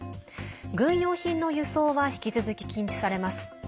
軍用品の輸送は引き続き禁止されます。